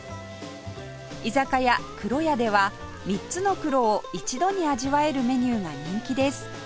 居酒屋くろ屋では三つの黒を一度に味わえるメニューが人気です